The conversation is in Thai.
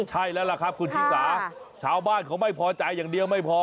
ใช่แล้วล่ะครับคุณชิสาชาวบ้านเขาไม่พอใจอย่างเดียวไม่พอ